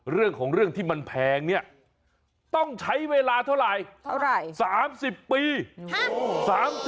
เรื่องถึงเนียมันแพงต้องใช้เวลาเท่าไหร่